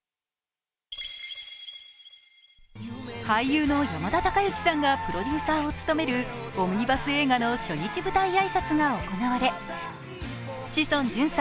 俳優の山田孝之さんがプロデューサーを務めるオムニバス映画の初日舞台挨拶が行われ志尊淳